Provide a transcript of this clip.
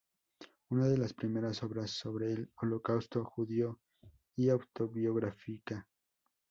Una de las primeras obras sobre el Holocausto judío y autobiográfica.